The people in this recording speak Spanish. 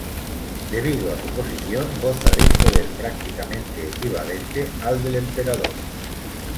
Debido a su posición goza de un poder prácticamente equivalente al del emperador.